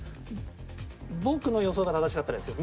僕の予想が正しかったらですよ